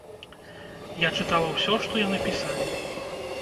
Я чытала ўсё, што яны пісалі.